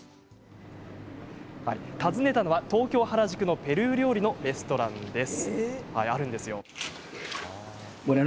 訪ねたのは、東京・原宿のペルー料理のレストランです。